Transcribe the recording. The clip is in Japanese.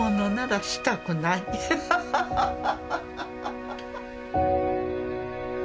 ハハハハハ。